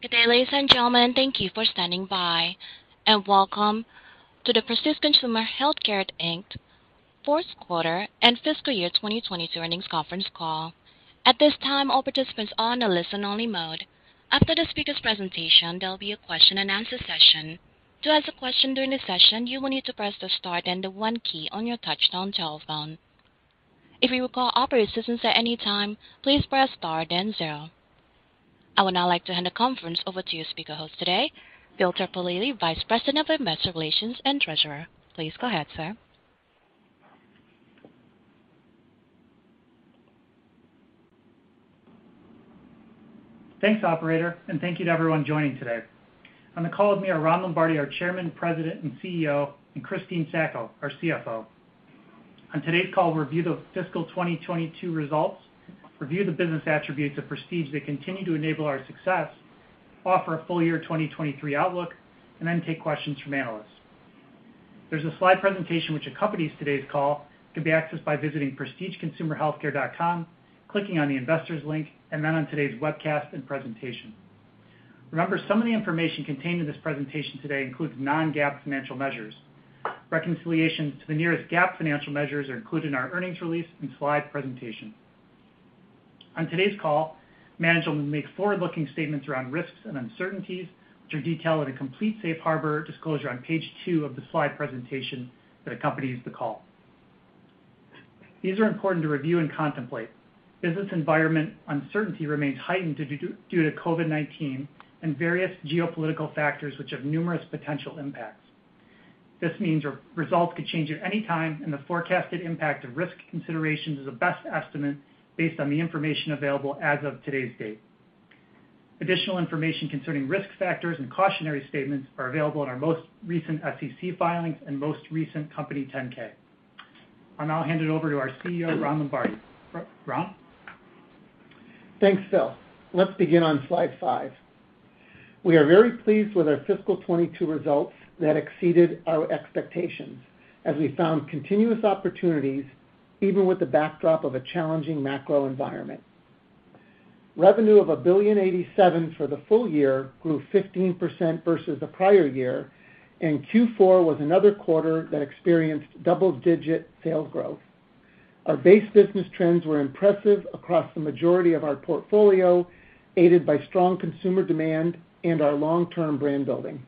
Good day, ladies and gentlemen. Thank you for standing by, and welcome to the Prestige Consumer Healthcare Inc. fourth quarter and fiscal year 2022 earnings conference call. At this time, all participants are on a listen only mode. After the speaker's presentation, there'll be a question and answer session. To ask a question during the session, you will need to press the star then the one key on your touchtone telephone. If you would call operator assistance at any time, please press star then zero. I would now like to hand the conference over to your speaker host today, Phil Terpolilli, Vice President of Investor Relations and Treasury. Please go ahead, sir. Thanks, operator, and thank you to everyone joining today. On the call with me are Ron Lombardi, our Chairman, President, and CEO, and Christine Sacco, our CFO. On today's call, we'll review the fiscal 2022 results, review the business attributes of Prestige that continue to enable our success, offer a full-year 2023 outlook, and then take questions from analysts. There's a slide presentation which accompanies today's call, can be accessed by visiting prestigeconsumerhealthcare.com, clicking on the investors link, and then on today's webcast and presentation. Remember, some of the information contained in this presentation today includes Non-GAAP financial measures. Reconciliations to the nearest GAAP financial measures are included in our earnings release and slide presentation. On today's call, management will make forward-looking statements around risks and uncertainties, which are detailed in a complete safe harbor disclosure on page 2 of the slide presentation that accompanies the call. These are important to review and contemplate. Business environment uncertainty remains heightened due to COVID-19 and various geopolitical factors which have numerous potential impacts. This means our results could change at any time, and the forecasted impact of risk considerations is a best estimate based on the information available as of today's date. Additional information concerning risk factors and cautionary statements are available in our most recent SEC filings and most recent company 10-K. I'll now hand it over to our CEO, Ron Lombardi. Ron? Thanks, Phil. Let's begin on slide five. We are very pleased with our fiscal 2022 results that exceeded our expectations as we found continuous opportunities even with the backdrop of a challenging macro environment. Revenue of $1.087 billion for the full year grew 15% versus the prior year, and Q4 was another quarter that experienced double-digit sales growth. Our base business trends were impressive across the majority of our portfolio, aided by strong consumer demand and our long-term brand building.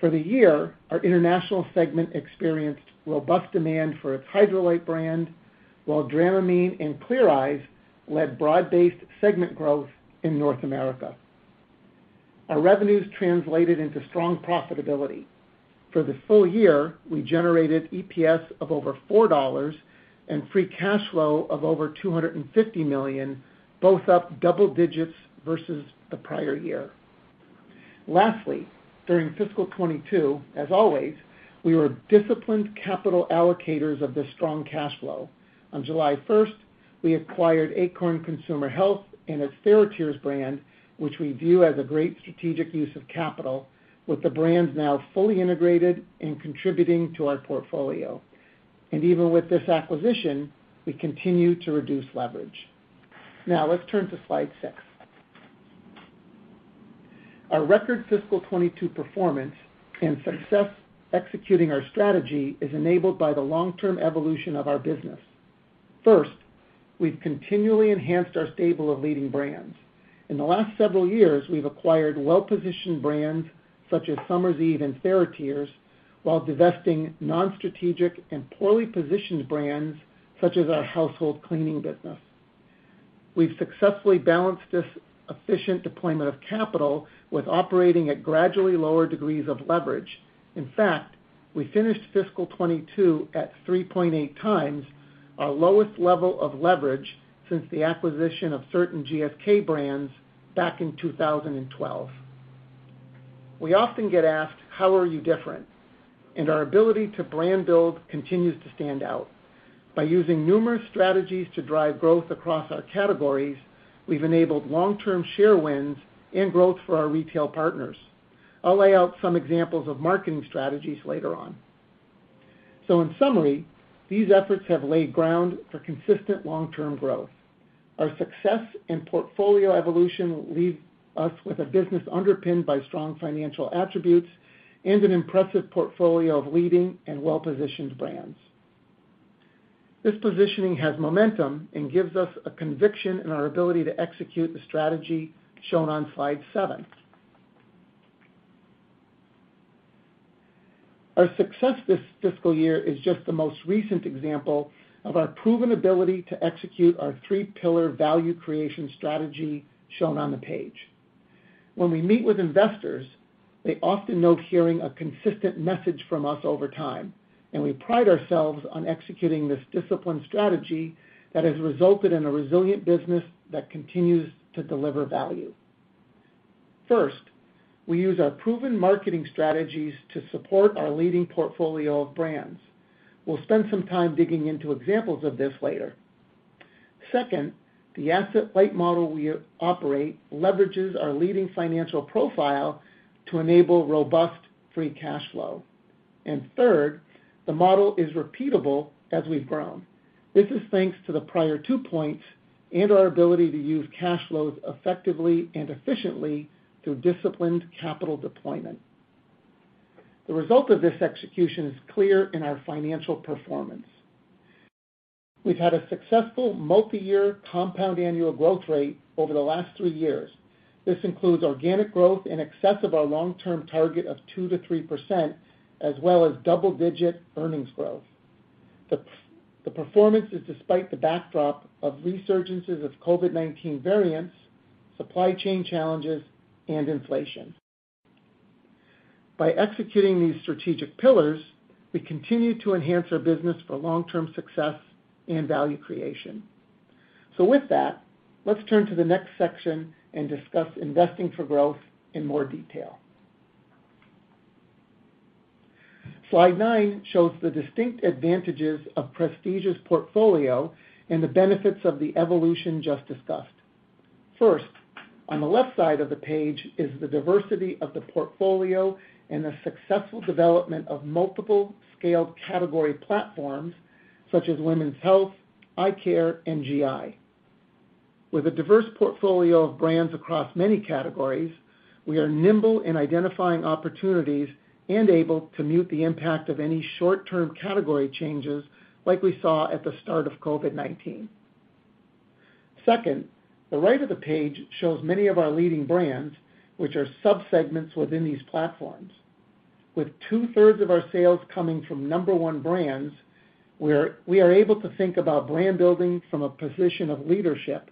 For the year, our international segment experienced robust demand for its Hydralyte brand, while Dramamine and Clear Eyes led broad-based segment growth in North America. Our revenues translated into strong profitability. For the full year, we generated EPS of over $4 and free cash flow of over $250 million, both up double digits versus the prior year. Lastly, during fiscal 2022, as always, we were disciplined capital allocators of this strong cash flow. On July 1, we acquired Akorn Consumer Health and its TheraTears brand, which we view as a great strategic use of capital, with the brands now fully integrated and contributing to our portfolio. Even with this acquisition, we continue to reduce leverage. Now, let's turn to slide 6. Our record fiscal 2022 performance and success executing our strategy is enabled by the long-term evolution of our business. First, we've continually enhanced our stable of leading brands. In the last several years, we've acquired well-positioned brands such as Summer's Eve and TheraTears while divesting non-strategic and poorly positioned brands such as our household cleaning business. We've successfully balanced this efficient deployment of capital with operating at gradually lower degrees of leverage. In fact, we finished fiscal 2022 at 3.8x our lowest level of leverage since the acquisition of certain GSK brands back in 2012. We often get asked, "How are you different?" Our ability to brand build continues to stand out. By using numerous strategies to drive growth across our categories, we've enabled long-term share wins and growth for our retail partners. I'll lay out some examples of marketing strategies later on. In summary, these efforts have laid ground for consistent long-term growth. Our success and portfolio evolution leaves us with a business underpinned by strong financial attributes and an impressive portfolio of leading and well-positioned brands. This positioning has momentum and gives us a conviction in our ability to execute the strategy shown on slide seven. Our success this fiscal year is just the most recent example of our proven ability to execute our three pillar value creation strategy shown on the page. When we meet with investors, they often note hearing a consistent message from us over time, and we pride ourselves on executing this disciplined strategy that has resulted in a resilient business that continues to deliver value. First, we use our proven marketing strategies to support our leading portfolio of brands. We'll spend some time digging into examples of this later. Second, the asset-light model we operate leverages our leading financial profile to enable robust free cash flow. Third, the model is repeatable as we've grown. This is thanks to the prior two points and our ability to use cash flows effectively and efficiently through disciplined capital deployment. The result of this execution is clear in our financial performance. We've had a successful multi-year compound annual growth rate over the last three years. This includes organic growth in excess of our long-term target of 2%-3% as well as double-digit earnings growth. The performance is despite the backdrop of resurgences of COVID-19 variants, supply chain challenges, and inflation. By executing these strategic pillars, we continue to enhance our business for long-term success and value creation. With that, let's turn to the next section and discuss investing for growth in more detail. Slide nine shows the distinct advantages of Prestige's portfolio and the benefits of the evolution just discussed. First, on the left side of the page is the diversity of the portfolio and the successful development of multiple scaled category platforms such as women's health, eye care, and GI. With a diverse portfolio of brands across many categories, we are nimble in identifying opportunities and able to mute the impact of any short-term category changes like we saw at the start of COVID-19. Second, the right of the page shows many of our leading brands, which are sub-segments within these platforms. With two-thirds of our sales coming from number one brands, we are able to think about brand building from a position of leadership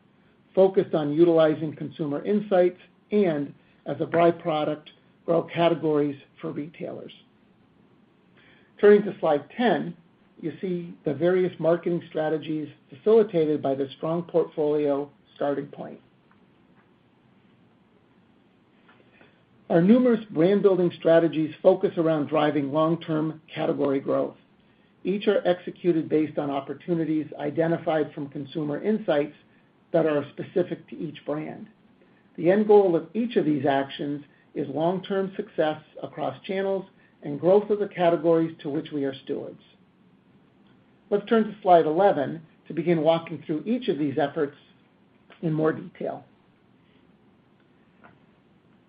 focused on utilizing consumer insights and, as a by-product, grow categories for retailers. Turning to slide 10, you see the various marketing strategies facilitated by the strong portfolio starting point. Our numerous brand-building strategies focus around driving long-term category growth. Each are executed based on opportunities identified from consumer insights that are specific to each brand. The end goal of each of these actions is long-term success across channels and growth of the categories to which we are stewards. Let's turn to slide 11 to begin walking through each of these efforts in more detail.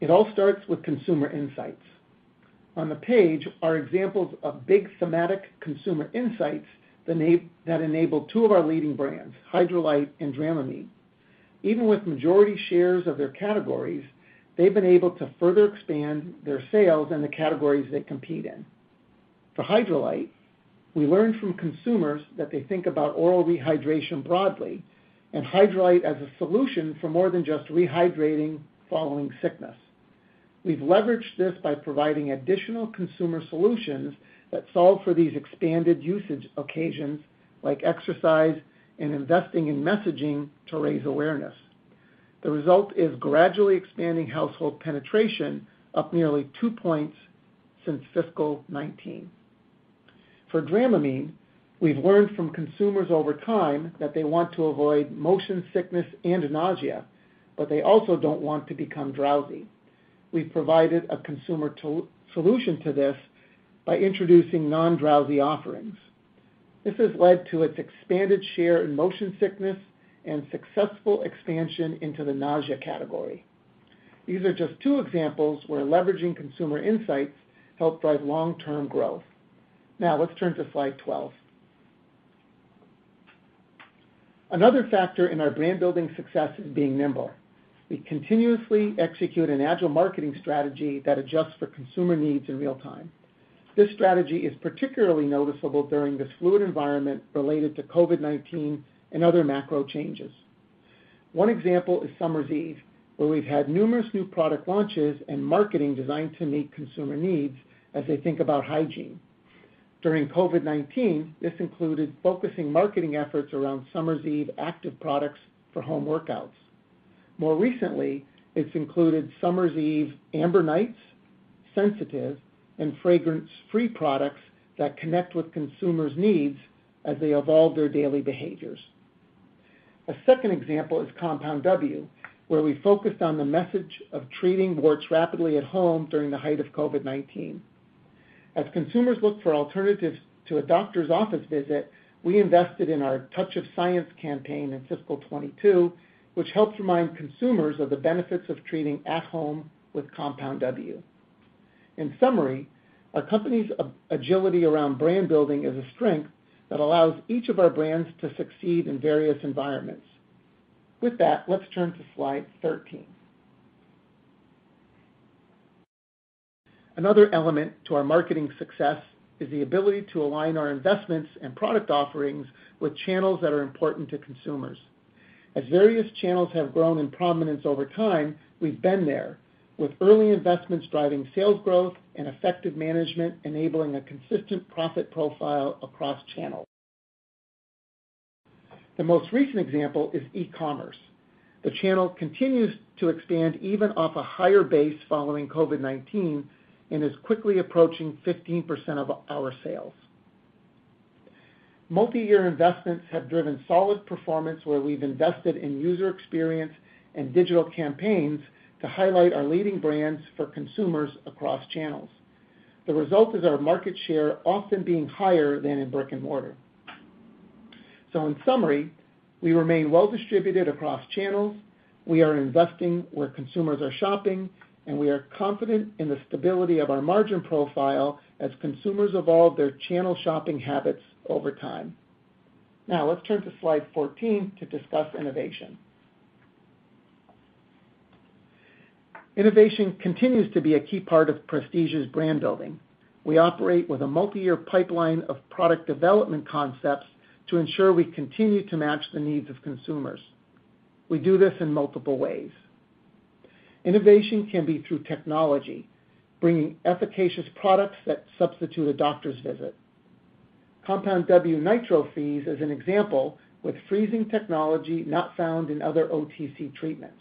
It all starts with consumer insights. On the page are examples of big thematic consumer insights that enable two of our leading brands, Hydralyte and Dramamine. Even with majority shares of their categories, they've been able to further expand their sales in the categories they compete in. For Hydralyte, we learned from consumers that they think about oral rehydration broadly, and Hydralyte as a solution for more than just rehydrating following sickness. We've leveraged this by providing additional consumer solutions that solve for these expanded usage occasions, like exercise and investing in messaging to raise awareness. The result is gradually expanding household penetration, up nearly two points since fiscal 2019. For Dramamine, we've learned from consumers over time that they want to avoid motion sickness and nausea, but they also don't want to become drowsy. We've provided a consumer solution to this by introducing non-drowsy offerings. This has led to its expanded share in motion sickness and successful expansion into the nausea category. These are just two examples where leveraging consumer insights help drive long-term growth. Now let's turn to slide 12. Another factor in our brand-building success is being nimble. We continuously execute an agile marketing strategy that adjusts for consumer needs in real time. This strategy is particularly noticeable during this fluid environment related to COVID-19 and other macro changes. One example is Summer's Eve, where we've had numerous new product launches and marketing designed to meet consumer needs as they think about hygiene. During COVID-19, this included focusing marketing efforts around Summer's Eve Active products for home workouts. More recently, it's included Summer's Eve Amber Nights, Simply Sensitive, and fragrance-free products that connect with consumers' needs as they evolve their daily behaviors. A second example is Compound W, where we focused on the message of treating warts rapidly at home during the height of COVID-19. As consumers looked for alternatives to a doctor's office visit, we invested in our Tough on Science campaign in fiscal 2022, which helps remind consumers of the benefits of treating at home with Compound W. In summary, our company's agility around brand building is a strength that allows each of our brands to succeed in various environments. With that, let's turn to slide 13. Another element to our marketing success is the ability to align our investments and product offerings with channels that are important to consumers. As various channels have grown in prominence over time, we've been there, with early investments driving sales growth and effective management enabling a consistent profit profile across channels. The most recent example is e-commerce. The channel continues to expand even off a higher base following COVID-19 and is quickly approaching 15% of our sales. Multi-year investments have driven solid performance where we've invested in user experience and digital campaigns to highlight our leading brands for consumers across channels. The result is our market share often being higher than in brick-and-mortar. In summary, we remain well-distributed across channels, we are investing where consumers are shopping, and we are confident in the stability of our margin profile as consumers evolve their channel shopping habits over time. Now, let's turn to slide 14 to discuss innovation. Innovation continues to be a key part of Prestige's brand building. We operate with a multi-year pipeline of product development concepts to ensure we continue to match the needs of consumers. We do this in multiple ways. Innovation can be through technology, bringing efficacious products that substitute a doctor's visit. Compound W NitroFreeze is an example, with freezing technology not found in other OTC treatments.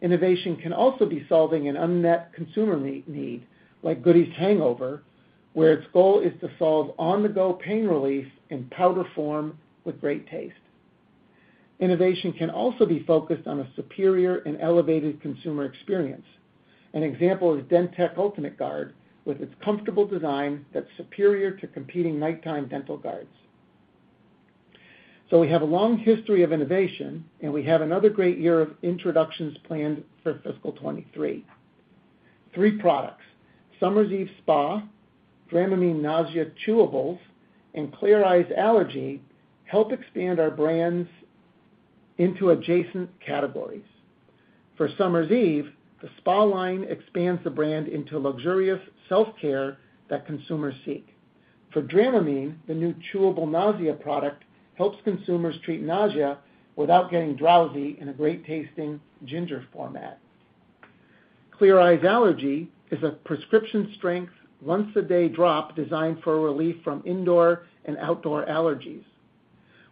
Innovation can also be solving an unmet consumer need, like Goody's Hangover, where its goal is to solve on-the-go pain relief in powder form with great taste. Innovation can also be focused on a superior and elevated consumer experience. An example is DenTek Ultimate Dental Guard, with its comfortable design that's superior to competing nighttime dental guards. We have a long history of innovation, and we have another great year of introductions planned for fiscal 2023. Three products, Summer's Eve Spa, Dramamine Nausea Chewables, and Clear Eyes Allergy, help expand our brands into adjacent categories. For Summer's Eve, the Spa line expands the brand into luxurious self-care that consumers seek. For Dramamine, the new chewable nausea product helps consumers treat nausea without getting drowsy in a great-tasting ginger format. Clear Eyes Allergy is a prescription-strength, once-a-day drop designed for relief from indoor and outdoor allergies.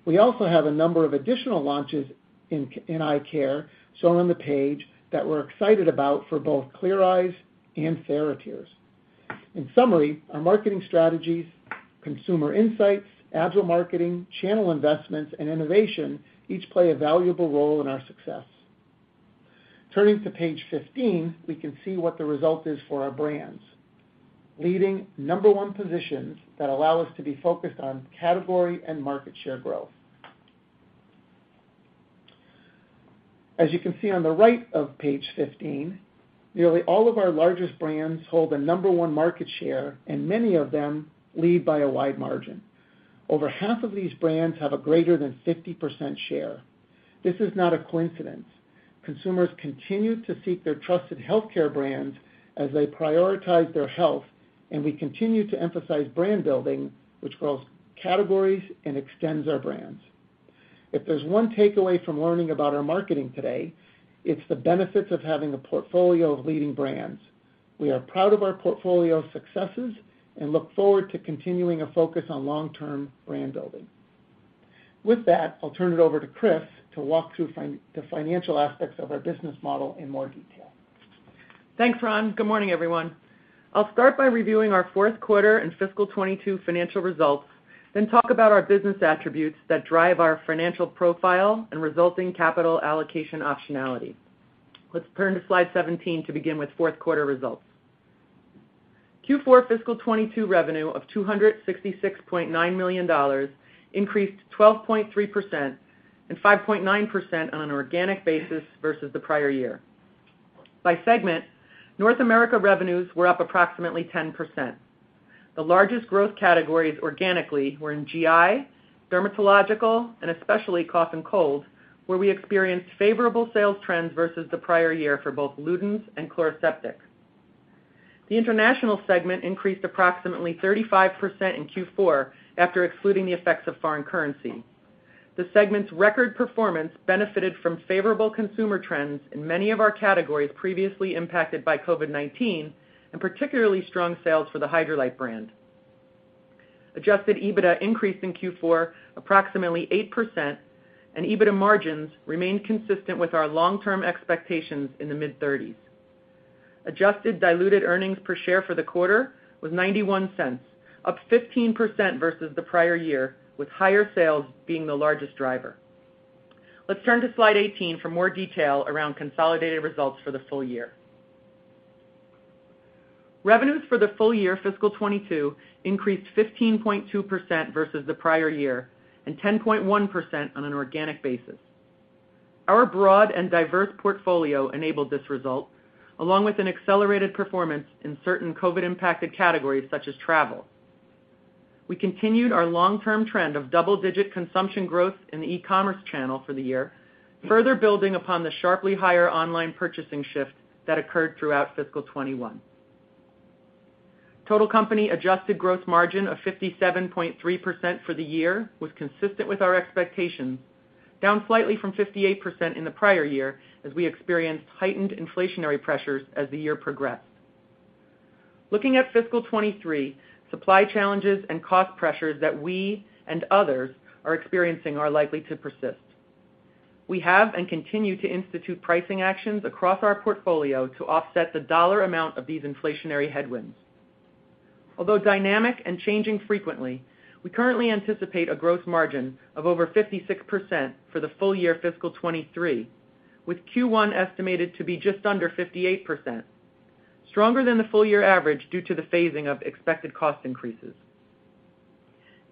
We also have a number of additional launches in eye care, shown on the page, that we're excited about for both Clear Eyes and TheraTears. In summary, our marketing strategies, consumer insights, agile marketing, channel investments, and innovation each play a valuable role in our success. Turning to page 15, we can see what the result is for our brands, leading number one positions that allow us to be focused on category and market share growth. As you can see on the right of page 15, nearly all of our largest brands hold the number one market share, and many of them lead by a wide margin. Over half of these brands have a greater than 50% share. This is not a coincidence. Consumers continue to seek their trusted healthcare brands as they prioritize their health, and we continue to emphasize brand building, which grows categories and extends our brands. If there's one takeaway from learning about our marketing today, it's the benefits of having a portfolio of leading brands. We are proud of our portfolio successes and look forward to continuing a focus on long-term brand building. With that, I'll turn it over to Christine to walk through the financial aspects of our business model in more detail. Thanks, Ron. Good morning, everyone. I'll start by reviewing our fourth quarter and fiscal 2022 financial results, then talk about our business attributes that drive our financial profile and resulting capital allocation optionality. Let's turn to slide 17 to begin with fourth quarter results. Q4 fiscal 2022 revenue of $266.9 million increased 12.3% and 5.9% on an organic basis versus the prior year. By segment, North America revenues were up approximately 10%. The largest growth categories organically were in GI, dermatological, and especially cough and cold, where we experienced favorable sales trends versus the prior year for both Luden's and Chloraseptic. The international segment increased approximately 35% in Q4 after excluding the effects of foreign currency. The segment's record performance benefited from favorable consumer trends in many of our categories previously impacted by COVID-19, and particularly strong sales for the Hydralyte brand. Adjusted EBITDA increased in Q4 approximately 8%, and EBITDA margins remained consistent with our long-term expectations in the mid-30s. Adjusted diluted earnings per share for the quarter was $0.91, up 15% versus the prior year, with higher sales being the largest driver. Let's turn to slide 18 for more detail around consolidated results for the full year. Revenues for the full year fiscal 2022 increased 15.2% versus the prior year and 10.1% on an organic basis. Our broad and diverse portfolio enabled this result, along with an accelerated performance in certain COVID-impacted categories such as travel. We continued our long-term trend of double-digit consumption growth in the e-commerce channel for the year, further building upon the sharply higher online purchasing shift that occurred throughout fiscal 2021. Total company adjusted gross margin of 57.3% for the year was consistent with our expectations, down slightly from 58% in the prior year as we experienced heightened inflationary pressures as the year progressed. Looking at fiscal 2023, supply challenges and cost pressures that we and others are experiencing are likely to persist. We have and continue to institute pricing actions across our portfolio to offset the dollar amount of these inflationary headwinds. Although dynamic and changing frequently, we currently anticipate a gross margin of over 56% for the full year fiscal 2023, with Q1 estimated to be just under 58%, stronger than the full year average due to the phasing of expected cost increases.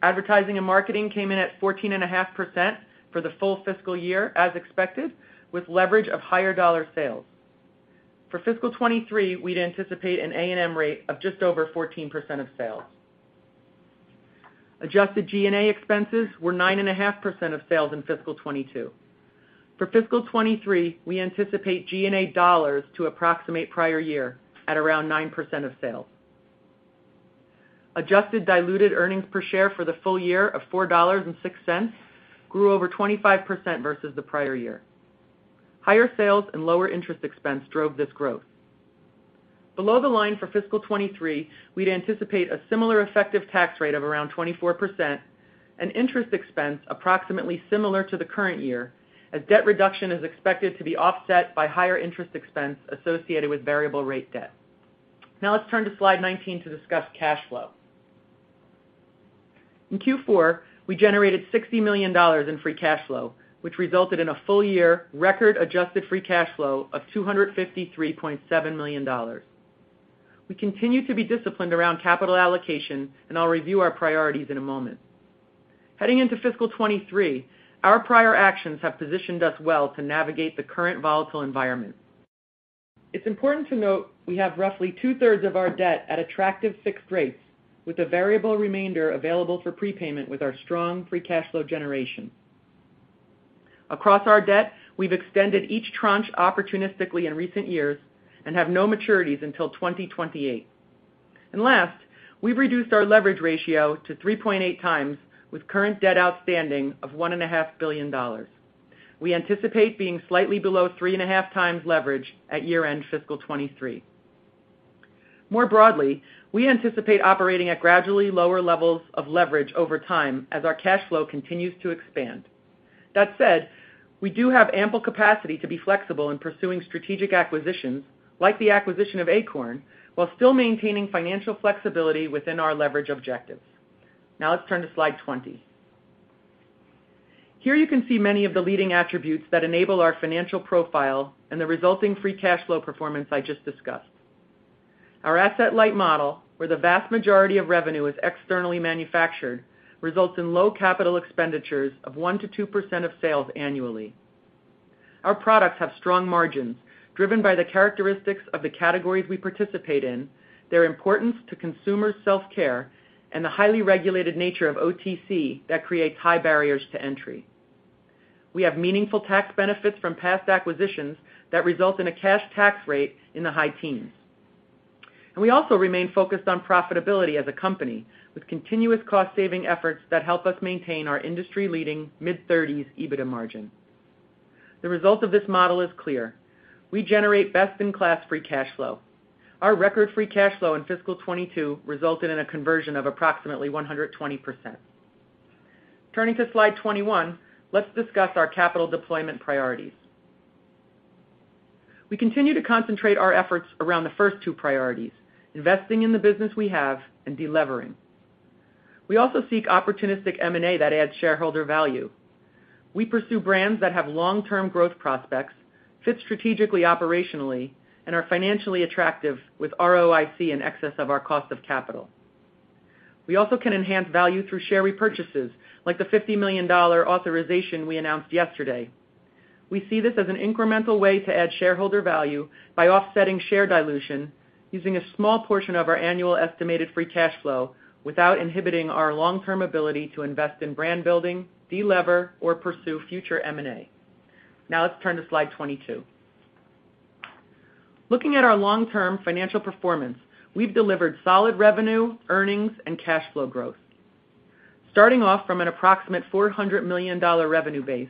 Advertising and marketing came in at 14.5% for the full fiscal year as expected, with leverage of higher dollar sales. For fiscal 2023, we'd anticipate an A&M rate of just over 14% of sales. Adjusted G&A expenses were 9.5% of sales in fiscal 2022. For fiscal 2023, we anticipate G&A dollars to approximate prior year at around 9% of sales. Adjusted diluted earnings per share for the full year of $4.06 grew over 25% versus the prior year. Higher sales and lower interest expense drove this growth. Below the line for fiscal 2023, we'd anticipate a similar effective tax rate of around 24% and interest expense approximately similar to the current year as debt reduction is expected to be offset by higher interest expense associated with variable rate debt. Now let's turn to slide 19 to discuss cash flow. In Q4, we generated $60 million in free cash flow, which resulted in a full-year record adjusted free cash flow of $253.7 million. We continue to be disciplined around capital allocation, and I'll review our priorities in a moment. Heading into fiscal 2023, our prior actions have positioned us well to navigate the current volatile environment. It's important to note we have roughly two-thirds of our debt at attractive fixed rates with a variable remainder available for prepayment with our strong free cash flow generation. Across our debt, we've extended each tranche opportunistically in recent years and have no maturities until 2028. Last, we've reduced our leverage ratio to 3.8x with current debt outstanding of $1.5 billion. We anticipate being slightly below 3.5x leverage at year-end fiscal 2023. More broadly, we anticipate operating at gradually lower levels of leverage over time as our cash flow continues to expand. That said, we do have ample capacity to be flexible in pursuing strategic acquisitions, like the acquisition of Akorn, while still maintaining financial flexibility within our leverage objectives. Now let's turn to slide 20. Here you can see many of the leading attributes that enable our financial profile and the resulting free cash flow performance I just discussed. Our asset-light model, where the vast majority of revenue is externally manufactured, results in low capital expenditures of 1%-2% of sales annually. Our products have strong margins driven by the characteristics of the categories we participate in, their importance to consumer self-care, and the highly regulated nature of OTC that creates high barriers to entry. We have meaningful tax benefits from past acquisitions that result in a cash tax rate in the high teens. We also remain focused on profitability as a company with continuous cost-saving efforts that help us maintain our industry-leading mid-thirties EBITDA margin. The result of this model is clear. We generate best-in-class free cash flow. Our record free cash flow in fiscal 2022 resulted in a conversion of approximately 120%. Turning to slide 21, let's discuss our capital deployment priorities. We continue to concentrate our efforts around the first two priorities, investing in the business we have and delevering. We also seek opportunistic M&A that adds shareholder value. We pursue brands that have long-term growth prospects, fit strategically, operationally, and are financially attractive with ROIC in excess of our cost of capital. We also can enhance value through share repurchases, like the $50 million authorization we announced yesterday. We see this as an incremental way to add shareholder value by offsetting share dilution using a small portion of our annual estimated free cash flow without inhibiting our long-term ability to invest in brand building, delever, or pursue future M&A. Now let's turn to slide 22. Looking at our long-term financial performance, we've delivered solid revenue, earnings, and cash flow growth. Starting off from an approximate $400 million revenue base,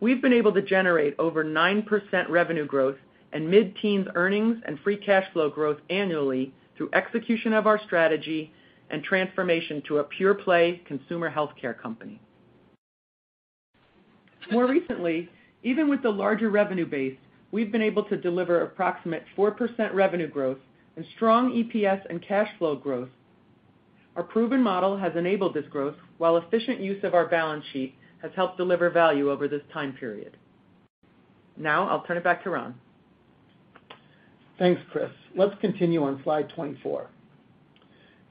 we've been able to generate over 9% revenue growth and mid-teens earnings and free cash flow growth annually through execution of our strategy and transformation to a pure-play consumer healthcare company. More recently, even with the larger revenue base, we've been able to deliver approximate 4% revenue growth and strong EPS and cash flow growth. Our proven model has enabled this growth while efficient use of our balance sheet has helped deliver value over this time period. Now I'll turn it back to Ron. Thanks, Christine. Let's continue on slide 24.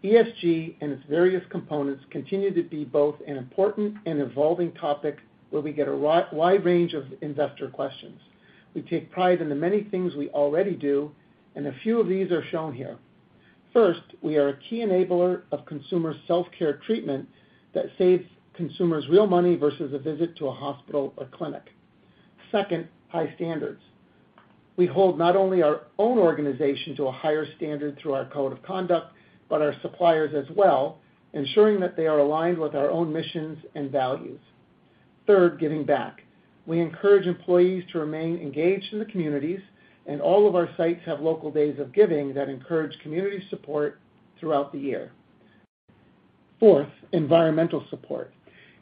ESG and its various components continue to be both an important and evolving topic where we get a wide range of investor questions. We take pride in the many things we already do, and a few of these are shown here. First, we are a key enabler of consumer self-care treatment that saves consumers real money versus a visit to a hospital or clinic. Second, high standards. We hold not only our own organization to a higher standard through our code of conduct, but our suppliers as well, ensuring that they are aligned with our own missions and values. Third, giving back. We encourage employees to remain engaged in the communities, and all of our sites have local days of giving that encourage community support throughout the year. Fourth, environmental support.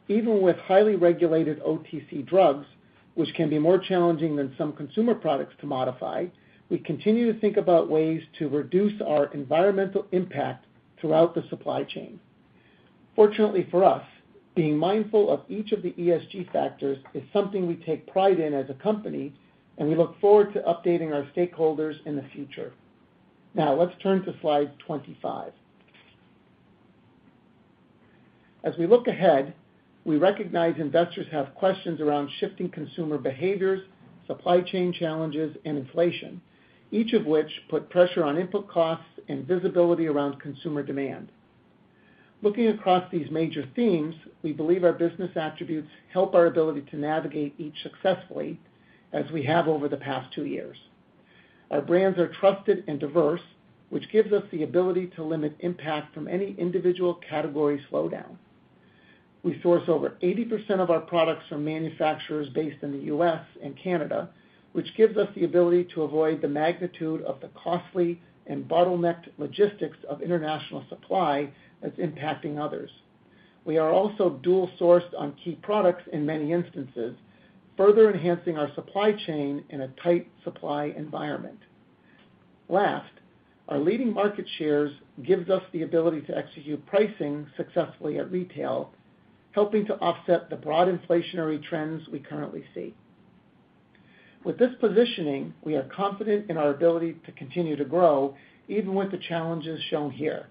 Even with highly regulated OTC drugs, which can be more challenging than some consumer products to modify, we continue to think about ways to reduce our environmental impact throughout the supply chain. Fortunately for us, being mindful of each of the ESG factors is something we take pride in as a company, and we look forward to updating our stakeholders in the future. Now let's turn to slide 25. As we look ahead, we recognize investors have questions around shifting consumer behaviors, supply chain challenges, and inflation, each of which put pressure on input costs and visibility around consumer demand. Looking across these major themes, we believe our business attributes help our ability to navigate each successfully, as we have over the past two years. Our brands are trusted and diverse, which gives us the ability to limit impact from any individual category slowdown. We source over 80% of our products from manufacturers based in the U.S. and Canada, which gives us the ability to avoid the magnitude of the costly and bottlenecked logistics of international supply that's impacting others. We are also dual-sourced on key products in many instances, further enhancing our supply chain in a tight supply environment. Last, our leading market shares gives us the ability to execute pricing successfully at retail, helping to offset the broad inflationary trends we currently see. With this positioning, we are confident in our ability to continue to grow even with the challenges shown here.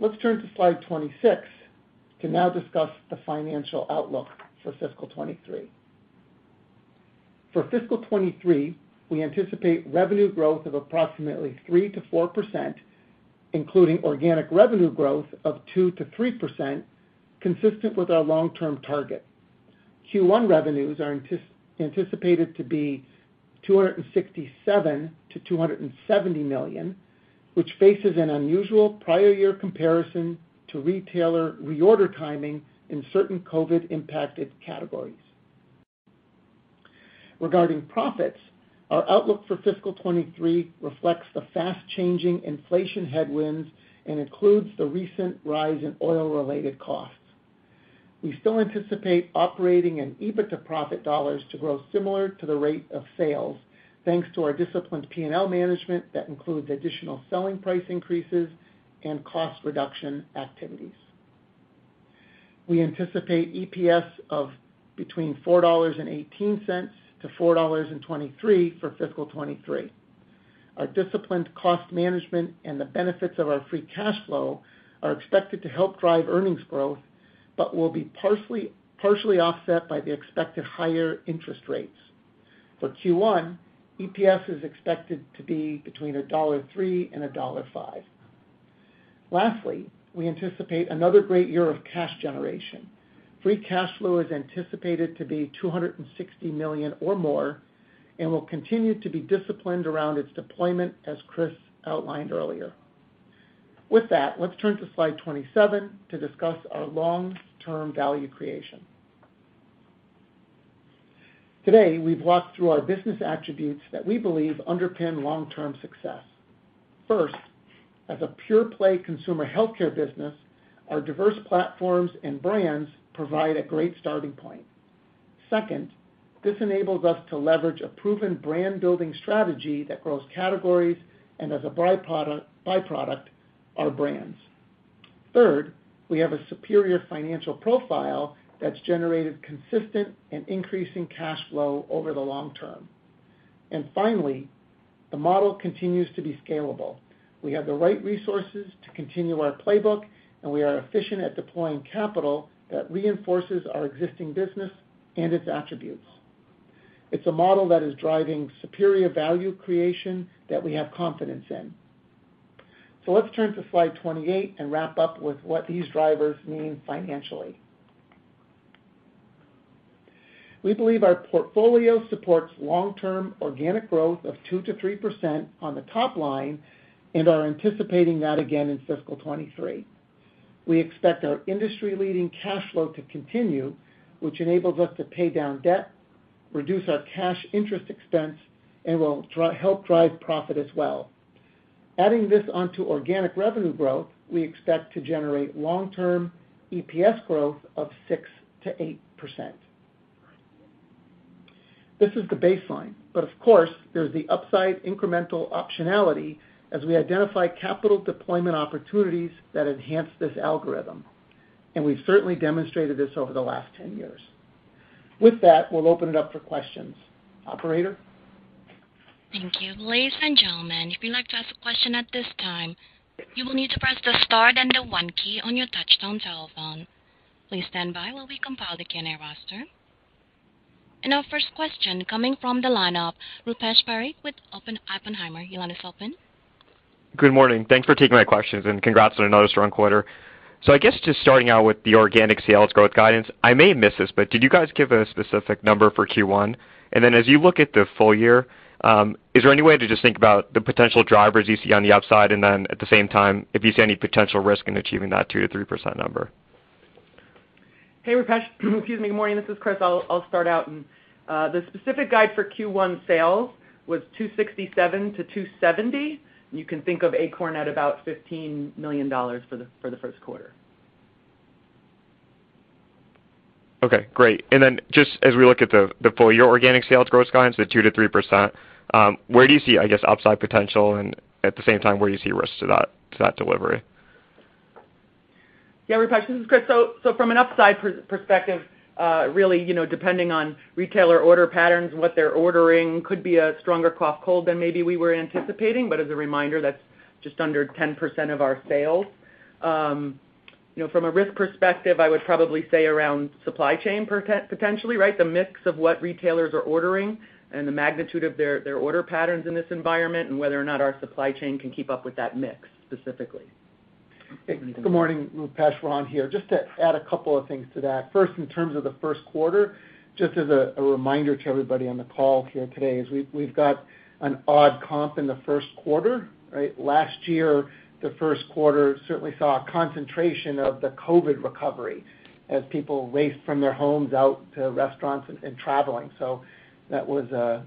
Let's turn to slide 26 to now discuss the financial outlook for fiscal 2023. For fiscal 2023, we anticipate revenue growth of approximately 3%-4%, including organic revenue growth of 2%-3%, consistent with our long-term target. Q1 revenues are anticipated to be $267 million-$270 million, which faced an unusual prior year comparison to retailer reorder timing in certain COVID-impacted categories. Regarding profits, our outlook for fiscal 2023 reflects the fast-changing inflation headwinds and includes the recent rise in oil-related costs. We still anticipate operating and EBITDA profit dollars to grow similar to the rate of sales, thanks to our disciplined P&L management that includes additional selling price increases and cost reduction activities. We anticipate EPS of between $4.18 and $4.23 for fiscal 2023. Our disciplined cost management and the benefits of our free cash flow are expected to help drive earnings growth, but will be partially offset by the expected higher interest rates. For Q1, EPS is expected to be between $1.03 and $1.05. Lastly, we anticipate another great year of cash generation. Free cash flow is anticipated to be $260 million or more and will continue to be disciplined around its deployment, as Christine outlined earlier. With that, let's turn to slide 27 to discuss our long-term value creation. Today, we've walked through our business attributes that we believe underpin long-term success. First, as a pure play consumer healthcare business, our diverse platforms and brands provide a great starting point. Second, this enables us to leverage a proven brand-building strategy that grows categories and as a byproduct, our brands. Third, we have a superior financial profile that's generated consistent and increasing cash flow over the long term. Finally, the model continues to be scalable. We have the right resources to continue our playbook, and we are efficient at deploying capital that reinforces our existing business and its attributes. It's a model that is driving superior value creation that we have confidence in. Let's turn to slide 28 and wrap up with what these drivers mean financially. We believe our portfolio supports long-term organic growth of 2%-3% on the top line and are anticipating that again in fiscal 2023. We expect our industry-leading cash flow to continue, which enables us to pay down debt, reduce our cash interest expense, and will help drive profit as well. Adding this onto organic revenue growth, we expect to generate long-term EPS growth of 6%-8%. This is the baseline, but of course, there's the upside incremental optionality as we identify capital deployment opportunities that enhance this algorithm. We've certainly demonstrated this over the last 10 years. With that, we'll open it up for questions. Operator? Thank you. Ladies and gentlemen, if you'd like to ask a question at this time, you will need to press the star then the one key on your touchtone telephone. Please stand by while we compile the Q&A roster. Our first question coming from the line of Rupesh Parikh with Oppenheimer. Your line is open. Good morning. Thanks for taking my questions and congrats on another strong quarter. I guess just starting out with the organic sales growth guidance, I may have missed this, but did you guys give a specific number for Q1? As you look at the full year, is there any way to just think about the potential drivers you see on the upside? At the same time, if you see any potential risk in achieving that 2%-3% number? Hey, Rupesh. Excuse me. Morning, this is Christine. I'll start out. The specific guide for Q1 sales was $267 million-$270 million. You can think of Akorn at about $15 million for the first quarter. Okay, great. Just as we look at the full year organic sales growth guidance at 2%-3%, where do you see, I guess, upside potential? At the same time, where do you see risks to that delivery? Yeah. Rupesh, this is Christine. From an upside perspective, really, you know, depending on retailer order patterns and what they're ordering could be a stronger cough, cold than maybe we were anticipating. As a reminder, that's just under 10% of our sales. You know, from a risk perspective, I would probably say around supply chain potentially, right? The mix of what retailers are ordering and the magnitude of their order patterns in this environment, and whether or not our supply chain can keep up with that mix specifically. Good morning, Rupesh. Ron here. Just to add a couple of things to that. First, in terms of the first quarter, just as a reminder to everybody on the call here today is we've got an odd comp in the first quarter, right? Last year, the first quarter certainly saw a concentration of the COVID recovery as people raced from their homes out to restaurants and traveling. That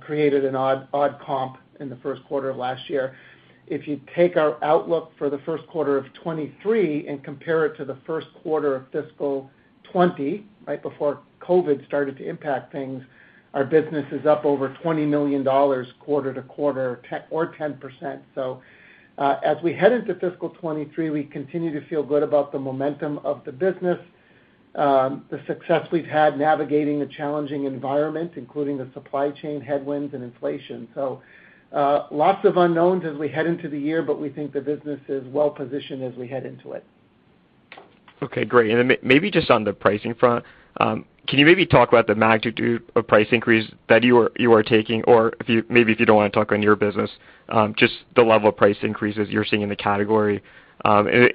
created an odd comp in the first quarter of last year. If you take our outlook for the first quarter of 2023 and compare it to the first quarter of fiscal 2020, right before COVID started to impact things, our business is up over $20 million quarter to quarter or 10%. As we head into fiscal 2023, we continue to feel good about the momentum of the business, the success we've had navigating the challenging environment, including the supply chain headwinds and inflation. Lots of unknowns as we head into the year, but we think the business is well positioned as we head into it. Okay, great. Maybe just on the pricing front, can you maybe talk about the magnitude of price increase that you are taking? Or if you don't wanna talk on your business, just the level of price increases you're seeing in the category.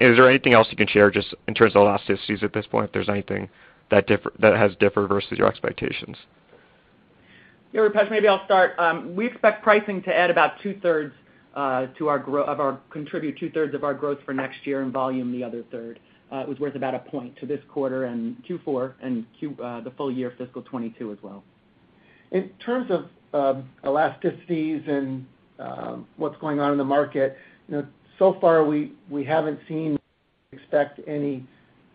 Is there anything else you can share just in terms of elasticities at this point, if there's anything that has differed versus your expectations? Yeah, Rupesh, maybe I'll start. We expect pricing to add about two-thirds, contribute two-thirds of our growth for next year and volume the other third. It was worth about a point to this quarter and Q4, the full year fiscal 2022 as well. In terms of elasticities and what's going on in the market, you know, so far we haven't seen any expected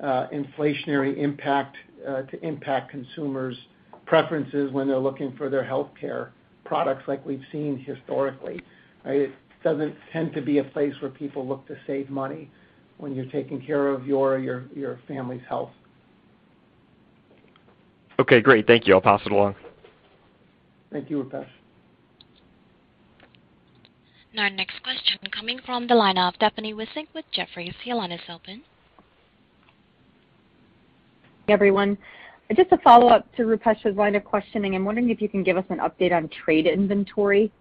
inflationary impact to impact consumers' preferences when they're looking for their healthcare products like we've seen historically, right? It doesn't tend to be a place where people look to save money when you're taking care of your family's health. Okay, great. Thank you. I'll pass it along. Thank you, Rupesh. Now next question coming from the line of Stephanie Wissink with Jefferies. Your line is open. Everyone, just a follow-up to Rupesh's line of questioning. I'm wondering if you can give us an update on trade inventory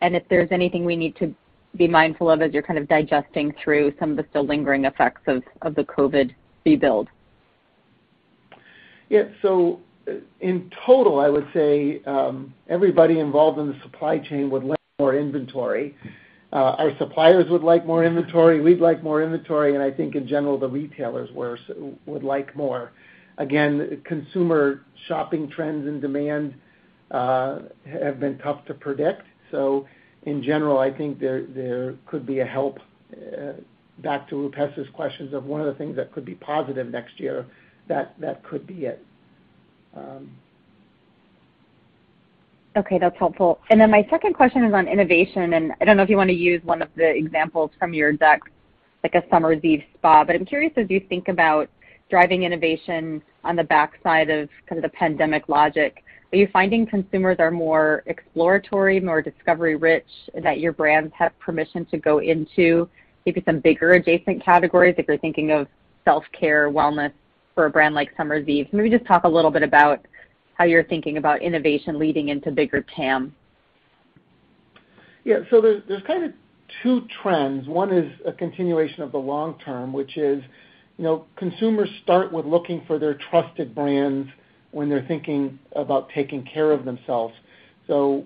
and if there's anything we need to be mindful of as you're kind of digesting through some of the still lingering effects of the COVID rebuild? Yeah. In total, I would say, everybody involved in the supply chain would like more inventory. Our suppliers would like more inventory, we'd like more inventory, and I think in general, the retailers would like more. Again, consumer shopping trends and demand have been tough to predict. In general, I think there could be a help, back to Rupesh's questions of one of the things that could be positive next year that could be it. Okay. That's helpful. My second question is on innovation, and I don't know if you wanna use one of the examples from your deck, like a Summer's Eve Spa. I'm curious, as you think about driving innovation on the backside of kind of the pandemic logic, are you finding consumers are more exploratory, more discovery rich, that your brands have permission to go into maybe some bigger adjacent categories if you're thinking of self-care wellness for a brand like Summer's Eve? Maybe just talk a little bit about how you're thinking about innovation leading into bigger TAM. Yeah. There's kind of two trends. One is a continuation of the long term, which is, you know, consumers start with looking for their trusted brands when they're thinking about taking care of themselves.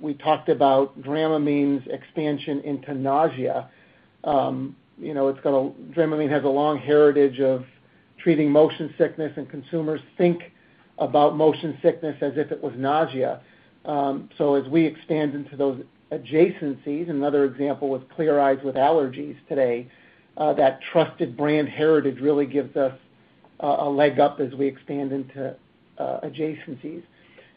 We talked about Dramamine's expansion into nausea. You know, Dramamine has a long heritage of treating motion sickness, and consumers think about motion sickness as if it was nausea. As we expand into those adjacencies, another example with Clear Eyes with allergies today, that trusted brand heritage really gives us a leg up as we expand into adjacencies.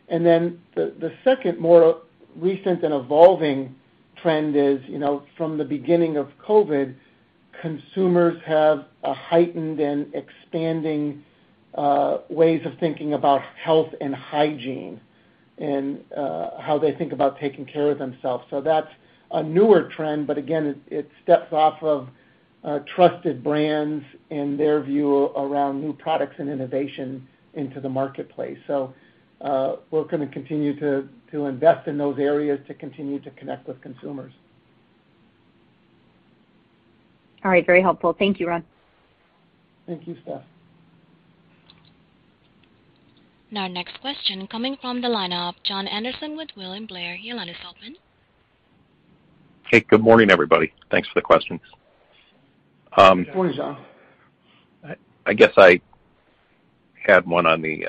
The second, more recent and evolving trend is, you know, from the beginning of COVID, consumers have a heightened and expanding ways of thinking about health and hygiene and how they think about taking care of themselves. That's a newer trend, but again, it steps off of trusted brands and their view around new products and innovation into the marketplace. We're gonna continue to invest in those areas to continue to connect with consumers. All right. Very helpful. Thank you, Ron. Thank you, Steph. Now next question coming from the line of Jon Andersen with William Blair. Your line is open. Hey, good morning, everybody. Thanks for the questions. Good morning, Jon. I guess I had one on the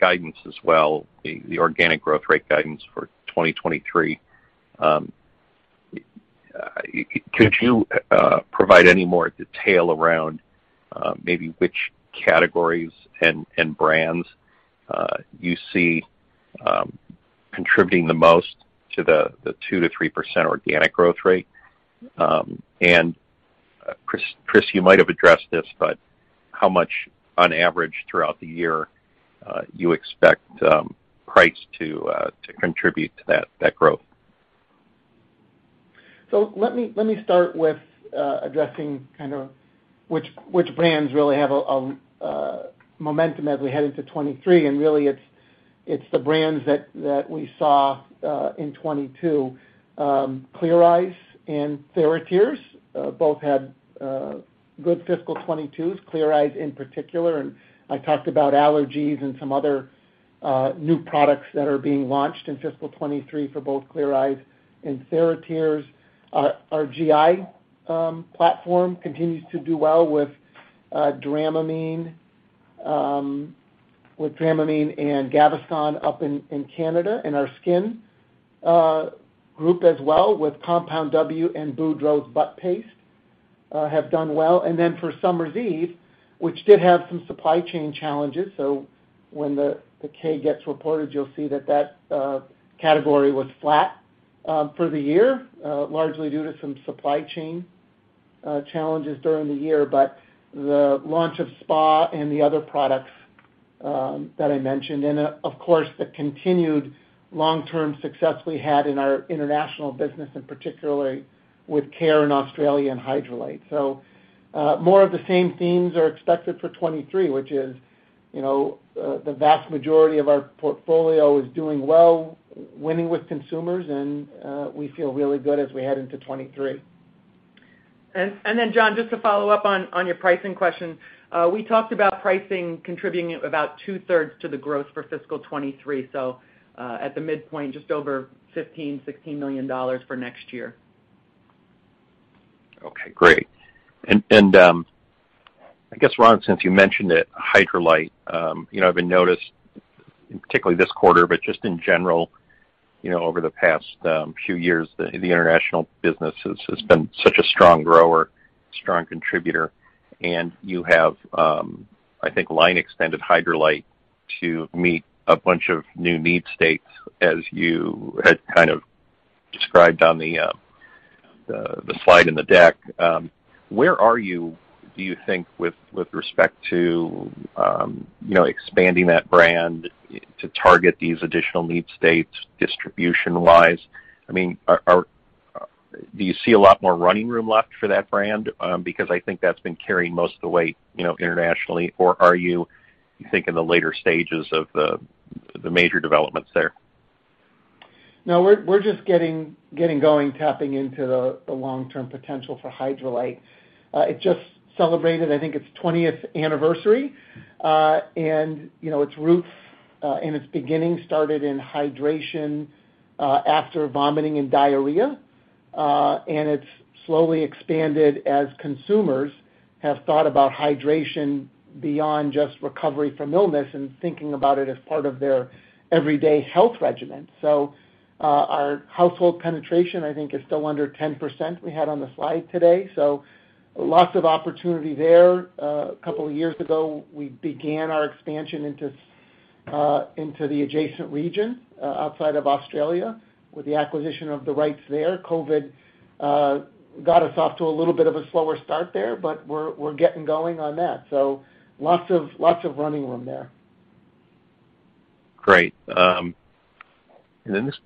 guidance as well, the organic growth rate guidance for 2023. Could you provide any more detail around maybe which categories and brands you see contributing the most to the 2%-3% organic growth rate? Christine, you might have addressed this, but how much on average throughout the year you expect price to contribute to that growth? Let me start with addressing kind of which brands really have a momentum as we head into 2023. Really, it's the brands that we saw in 2022. Clear Eyes and TheraTears both had good fiscal 2022s, Clear Eyes in particular. I talked about allergies and some other new products that are being launched in fiscal 2023 for both Clear Eyes and TheraTears. Our GI platform continues to do well with Dramamine and Gaviscon up in Canada. Our skin group as well with Compound W and Boudreaux's Butt Paste have done well. For Summer's Eve, which did have some supply chain challenges, so when the K gets reported, you'll see that category was flat for the year, largely due to some supply chain challenges during the year. The launch of Spa and the other products that I mentioned. Of course, the continued long-term success we had in our international business, and particularly with Fess in Australia and Hydralyte. More of the same themes are expected for 2023, which is, you know, the vast majority of our portfolio is doing well, winning with consumers, and we feel really good as we head into 2023. Jon, just to follow up on your pricing question. We talked about pricing contributing about two-thirds to the growth for fiscal 2023, so at the midpoint, just over $15-$16 million for next year. Okay. Great. I guess, Ron, since you mentioned it, Hydralyte, you know, I've noticed, particularly this quarter, but just in general, you know, over the past few years, the international business has been such a strong grower, strong contributor, and you have, I think, line extended Hydralyte to meet a bunch of new need states as you had kind of described on the slide in the deck. Where are you, do you think, with respect to, you know, expanding that brand to target these additional need states distribution-wise? I mean, do you see a lot more running room left for that brand? Because I think that's been carrying most of the weight, you know, internationally. Or do you think in the later stages of the major developments there? No. We're just getting going, tapping into the long-term potential for Hydralyte. It just celebrated, I think, its 20th anniversary. You know, its roots and its beginning started in hydration after vomiting and diarrhea. It's slowly expanded as consumers have thought about hydration beyond just recovery from illness and thinking about it as part of their everyday health regimen. Our household penetration, I think, is still under 10% we had on the slide today, so lots of opportunity there. A couple of years ago, we began our expansion into the adjacent region outside of Australia with the acquisition of the rights there. COVID got us off to a little bit of a slower start there, but we're getting going on that. Lots of running room there. Great.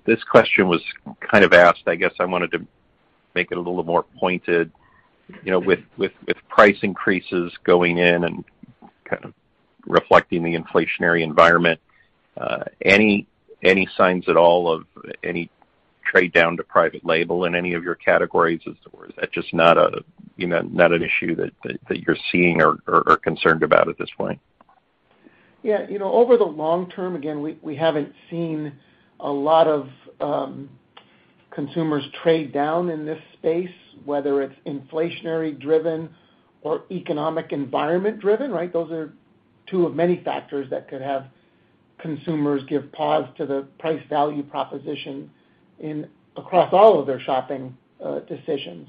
This question was kind of asked, I guess I wanted to make it a little more pointed. With price increases going in and kind of reflecting the inflationary environment, any signs at all of any trade down to private label in any of your categories? Or is that just not an issue that you're seeing or concerned about at this point? Yeah. You know, over the long term, again, we haven't seen a lot of consumers trade down in this space, whether it's inflationary driven or economic environment driven, right? Those are two of many factors that could have consumers give pause to the price value proposition in across all of their shopping decisions.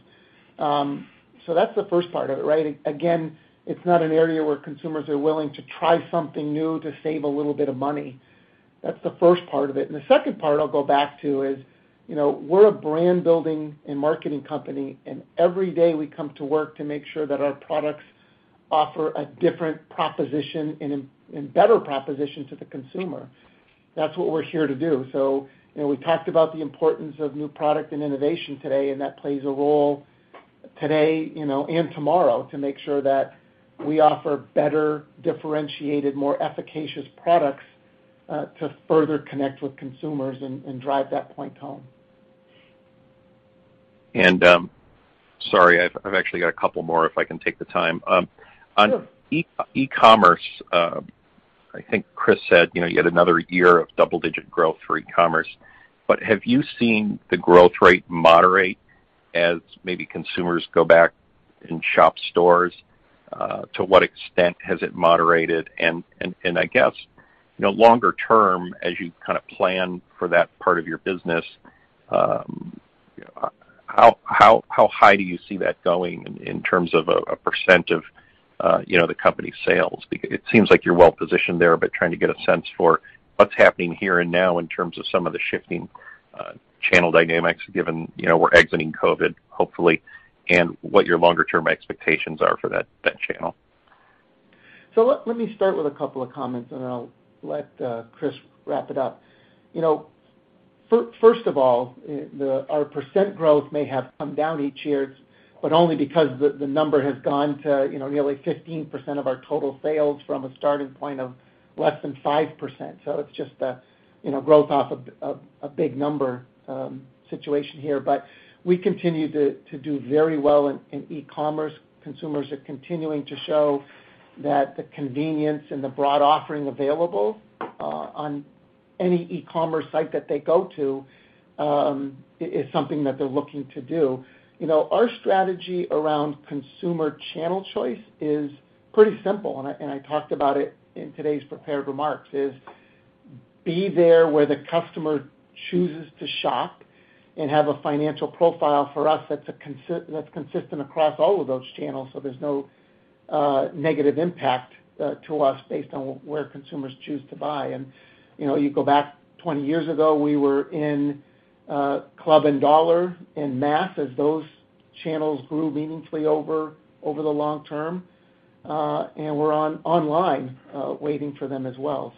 That's the first part of it, right? Again, it's not an area where consumers are willing to try something new to save a little bit of money. That's the first part of it. The second part I'll go back to is, you know, we're a brand-building and marketing company, and every day we come to work to make sure that our products offer a different proposition and a better proposition to the consumer. That's what we're here to do. You know, we talked about the importance of new product and innovation today, and that plays a role today, you know, and tomorrow to make sure that we offer better, differentiated, more efficacious products to further connect with consumers and drive that point home. Sorry, I've actually got a couple more if I can take the time. Sure. On e-commerce, I think Christine said, you know, you had another year of double-digit growth for e-commerce, but have you seen the growth rate moderate as maybe consumers go back and shop stores? To what extent has it moderated? I guess, you know, longer term, as you kind of plan for that part of your business, how high do you see that going in terms of a % of, you know, the company sales? It seems like you're well positioned there, but trying to get a sense for what's happening here and now in terms of some of the shifting channel dynamics given, you know, we're exiting COVID, hopefully, and what your longer term expectations are for that channel. Let me start with a couple of comments, and then I'll let Christine wrap it up. You know, first of all, our percent growth may have come down each year, but only because the number has gone to, you know, nearly 15% of our total sales from a starting point of less than 5%. It's just a, you know, growth off of a big number situation here. We continue to do very well in e-commerce. Consumers are continuing to show that the convenience and the broad offering available on any e-commerce site that they go to is something that they're looking to do. You know, our strategy around consumer channel choice is pretty simple, and I talked about it in today's prepared remarks, is be there where the customer chooses to shop and have a financial profile for us that's consistent across all of those channels, so there's no negative impact to us based on where consumers choose to buy. You know, you go back 20 years ago, we were in club and dollar and mass as those channels grew meaningfully over the long term. We're online waiting for them as well.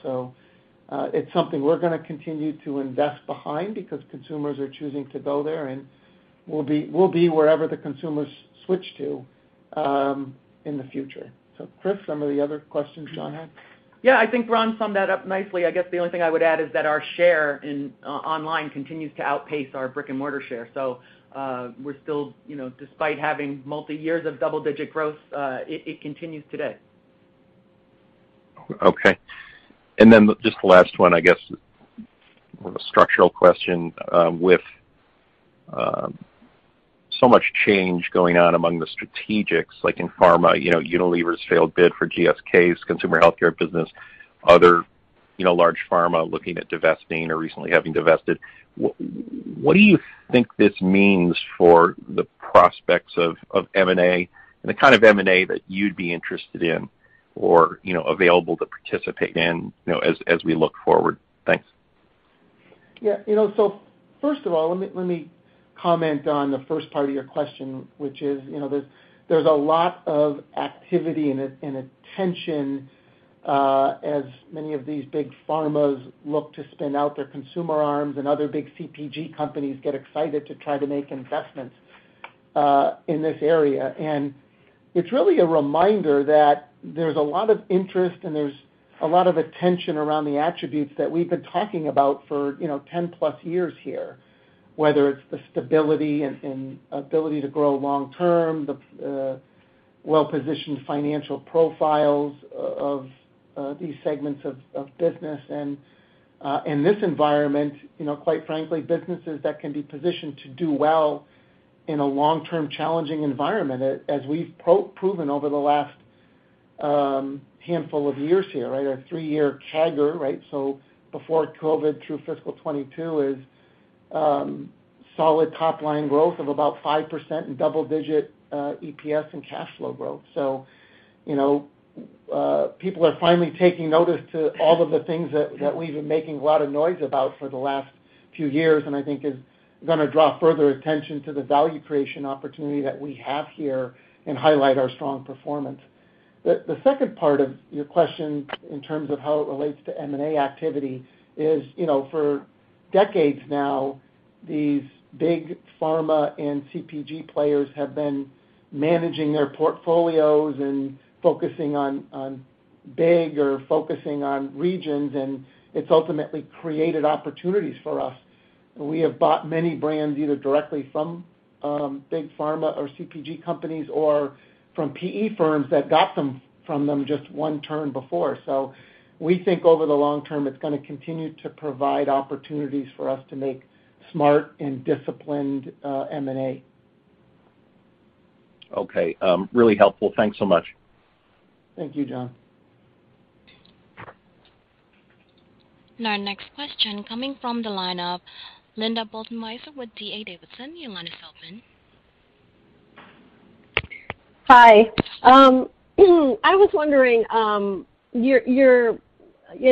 It's something we're gonna continue to invest behind because consumers are choosing to go there, and we'll be wherever the consumers switch to in the future. Christine, some of the other questions Jon had. Yeah. I think Ron summed that up nicely. I guess the only thing I would add is that our share in online continues to outpace our brick-and-mortar share. We're still, you know, despite having multi years of double digit growth, it continues today. Okay. Just the last one, I guess, more of a structural question. With so much change going on among the strategics, like in pharma, you know, Unilever's failed bid for GSK's consumer healthcare business, other, you know, large pharma looking at divesting or recently having divested, what do you think this means for the prospects of M&A and the kind of M&A that you'd be interested in or, you know, available to participate in, you know, as we look forward? Thanks. Yeah. You know, so first of all, let me comment on the first part of your question, which is, you know, there's a lot of activity and attention, as many of these big pharmas look to spin out their consumer arms and other big CPG companies get excited to try to make investments in this area. It's really a reminder that there's a lot of interest, and there's a lot of attention around the attributes that we've been talking about for, you know, 10+ years here, whether it's the stability and ability to grow long term, the well-positioned financial profiles of these segments of business. In this environment, you know, quite frankly, businesses that can be positioned to do well in a long-term challenging environment, as we've proven over the last handful of years here, right? Our three-year CAGR, right? Before COVID through fiscal 2022 is solid top-line growth of about 5% and double-digit EPS and cash flow growth. You know, people are finally taking notice to all of the things that we've been making a lot of noise about for the last few years, and I think is gonna draw further attention to the value creation opportunity that we have here and highlight our strong performance. The second part of your question in terms of how it relates to M&A activity is, you know, for decades now, these big pharma and CPG players have been managing their portfolios and focusing on big or focusing on regions, and it's ultimately created opportunities for us. We have bought many brands either directly from big pharma or CPG companies or from PE firms that got them from them just one turn before. We think over the long term, it's gonna continue to provide opportunities for us to make smart and disciplined M&A. Okay. Really helpful. Thanks so much. Thank you, Jon. Now our next question coming from the line of Linda Bolton Weiser with D.A. Davidson. Your line is open. Hi. I was wondering, your...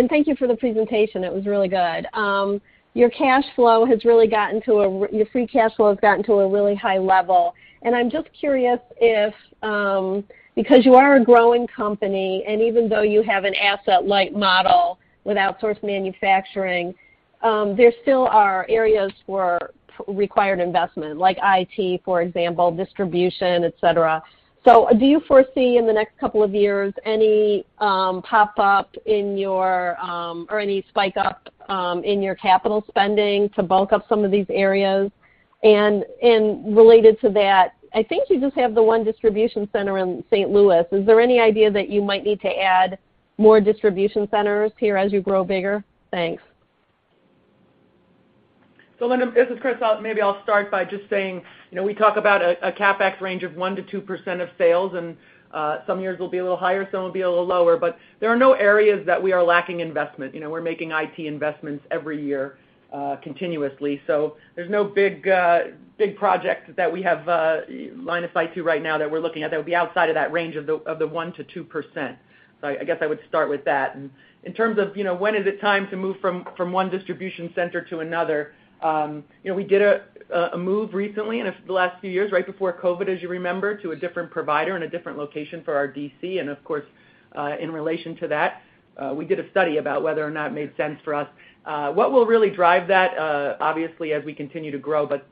Thank you for the presentation. It was really good. Your free cash flow has gotten to a really high level. I'm just curious if, because you are a growing company, and even though you have an asset-light model with outsourced manufacturing, there still are areas for required investment, like IT, for example, distribution, et cetera. Do you foresee in the next couple of years any pop up in your, or any spike up, in your capital spending to bulk up some of these areas? Related to that, I think you just have the one distribution center in St. Louis. Is there any idea that you might need to add more distribution centers here as you grow bigger? Thanks. Linda, this is Christine. Maybe I'll start by just saying, we talk about a CapEx range of 1%-2% of sales, and some years will be a little higher, some will be a little lower. There are no areas that we are lacking investment. We're making IT investments every year, continuously. There's no big project that we have line of sight to right now that we're looking at that would be outside of that range of the 1%-2%. I guess I would start with that. In terms of, you know, when is it time to move from one distribution center to another, you know, we did a move recently in the last few years, right before COVID, as you remember, to a different provider and a different location for our DC. Of course, in relation to that, we did a study about whether or not it made sense for us. What will really drive that, obviously as we continue to grow, but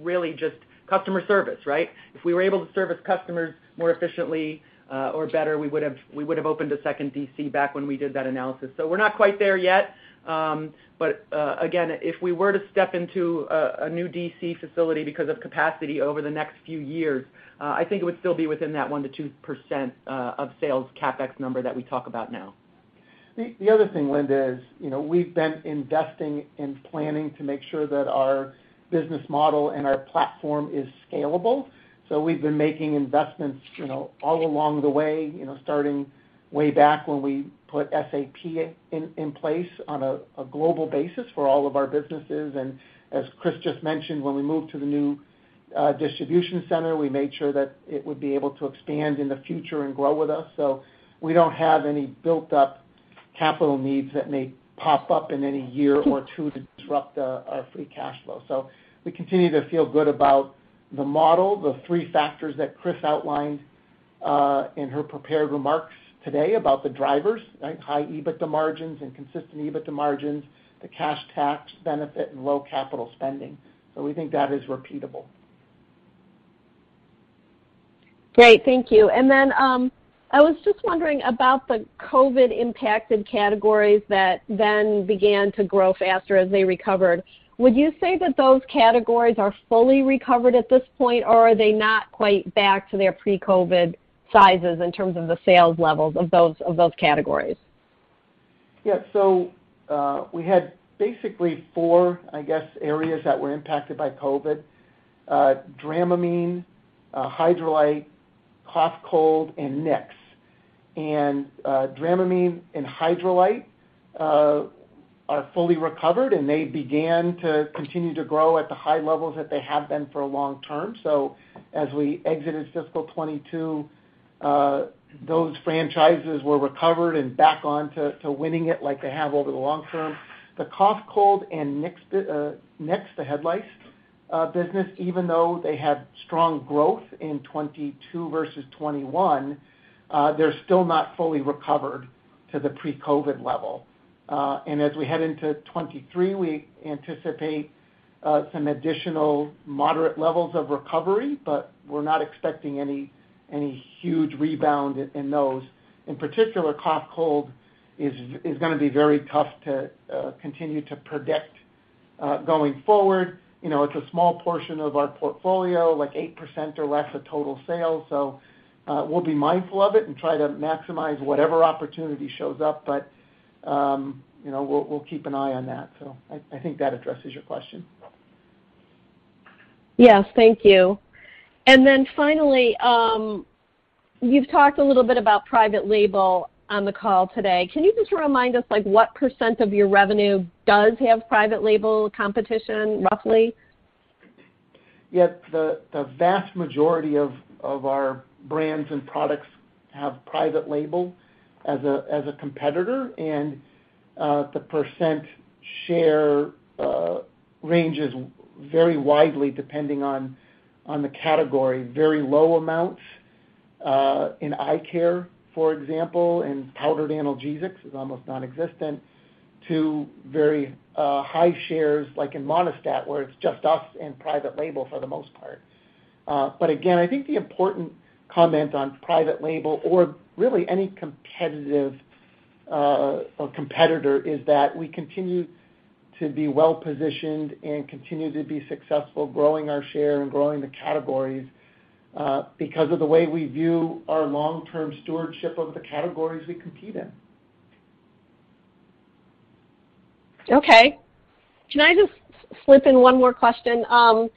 really just customer service, right? If we were able to service customers more efficiently, or better, we would have opened a second DC back when we did that analysis. We're not quite there yet. Again, if we were to step into a new DC facility because of capacity over the next few years, I think it would still be within that 1%-2% of sales CapEx number that we talk about now. The other thing, Linda, is, you know, we've been investing and planning to make sure that our business model and our platform is scalable. We've been making investments, you know, all along the way, you know, starting way back when we put SAP in place on a global basis for all of our businesses. As Christine just mentioned, when we moved to the new distribution center, we made sure that it would be able to expand in the future and grow with us. We don't have any built up capital needs that may pop up in any year or two to disrupt our free cash flow. We continue to feel good about the model, the three factors that Christine outlined in her prepared remarks today about the drivers, right? High EBITDA margins and consistent EBITDA margins, the cash tax benefit and low capital spending. We think that is repeatable. Great. Thank you. I was just wondering about the COVID-impacted categories that then began to grow faster as they recovered. Would you say that those categories are fully recovered at this point, or are they not quite back to their pre-COVID sizes in terms of the sales levels of those categories? Yeah. We had basically four, I guess, areas that were impacted by COVID, Dramamine, Hydralyte, Cough-Cold and Nix. Dramamine and Hydralyte are fully recovered, and they began to continue to grow at the high levels that they have been for a long term. As we exited fiscal 2022, those franchises were recovered and back on to winning it like they have over the long term. The Cough-Cold and Nix the Head Lice business, even though they had strong growth in 2022 versus 2021, they're still not fully recovered to the pre-COVID level. As we head into 2023, we anticipate some additional moderate levels of recovery, but we're not expecting any huge rebound in those. In particular, Cough-Cold is gonna be very tough to continue to predict going forward. You know, it's a small portion of our portfolio, like 8% or less of total sales. We'll be mindful of it and try to maximize whatever opportunity shows up, but, you know, we'll keep an eye on that. I think that addresses your question. Yes. Thank you. Finally, you've talked a little bit about private label on the call today. Can you just remind us, like, what % of your revenue does have private label competition roughly? Yeah. The vast majority of our brands and products have private label as a competitor. The percent share ranges very widely depending on the category. Very low amounts in eye care, for example, and powdered analgesics is almost nonexistent to very high shares like in Monistat, where it's just us and private label for the most part. Again, I think the important comment on private label or really any competitive or competitor is that we continue to be well-positioned and continue to be successful growing our share and growing the categories because of the way we view our long-term stewardship of the categories we compete in. Okay. Can I just slip in one more question? I'm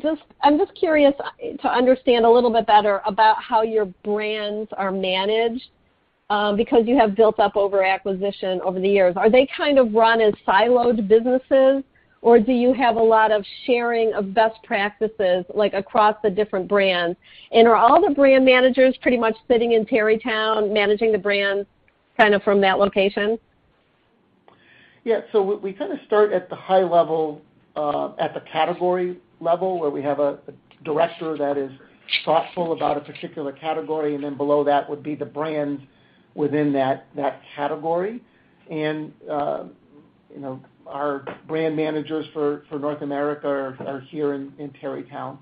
just curious to understand a little bit better about how your brands are managed, because you have built up over acquisition over the years. Are they kind of run as siloed businesses, or do you have a lot of sharing of best practices, like, across the different brands? Are all the brand managers pretty much sitting in Tarrytown managing the brands kind of from that location? Yeah. We kind of start at the high level at the category level, where we have a director that is thoughtful about a particular category, and then below that would be the brands within that category. You know, our brand managers for North America are here in Tarrytown,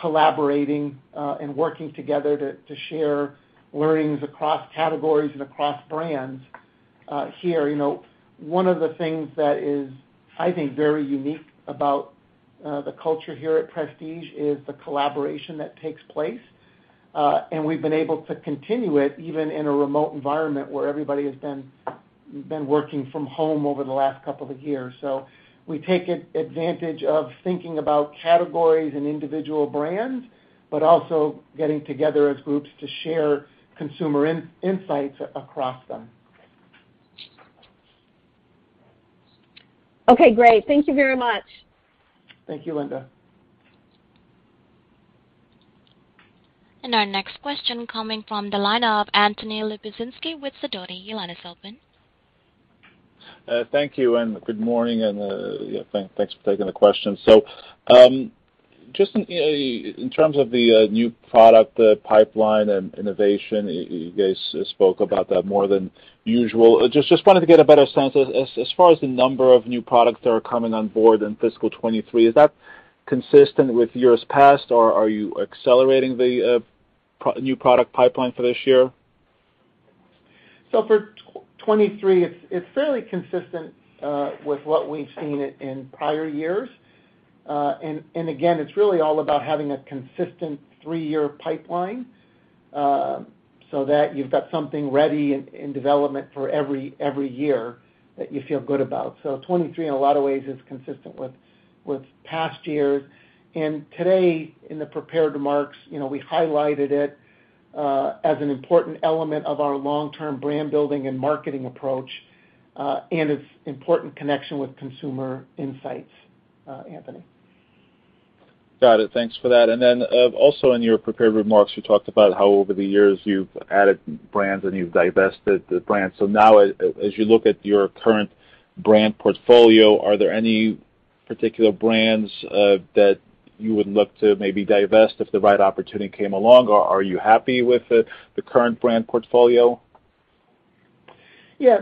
collaborating and working together to share learnings across categories and across brands here. You know, one of the things that is, I think, very unique about the culture here at Prestige is the collaboration that takes place. We've been able to continue it even in a remote environment where everybody has been working from home over the last couple of years. We take advantage of thinking about categories and individual brands, but also getting together as groups to share consumer insights across them. Okay, great. Thank you very much. Thank you, Linda. Our next question coming from the line of Anthony Lebiedzinski with Sidoti. Your line is open. Thank you, and good morning, and yeah, thanks for taking the question. Just in terms of the new product pipeline and innovation, you guys spoke about that more than usual. Just wanted to get a better sense as far as the number of new products that are coming on board in fiscal 2023. Is that consistent with years past, or are you accelerating the new product pipeline for this year? For 2023, it's fairly consistent with what we've seen in prior years. Again, it's really all about having a consistent three-year pipeline so that you've got something ready in development for every year that you feel good about. 2023 in a lot of ways is consistent with past years. Today, in the prepared remarks, you know, we highlighted it as an important element of our long-term brand building and marketing approach and its important connection with consumer insights, Anthony. Got it. Thanks for that. Also in your prepared remarks, you talked about how over the years you've added brands and you've divested the brands. As you look at your current brand portfolio, are there any particular brands that you would look to maybe divest if the right opportunity came along, or are you happy with the current brand portfolio? Yeah.